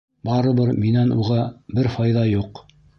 Барыбер минән уға бер файҙа юҡ.